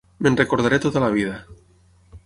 Me'n recordaré tota la vida.